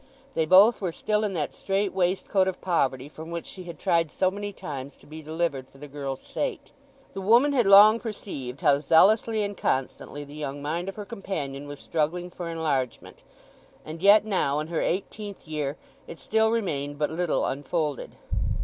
They both were still in that strait waistcoat of poverty from which she had tried so many times to be delivered for the girl's sake. The woman had long perceived how zealously and constantly the young mind of her companion was struggling for enlargement; and yet now, in her eighteenth year, it still remained but little unfolded.